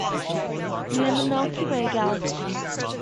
We are in the Milky Way Galaxy.